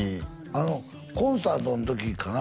あのコンサートの時かな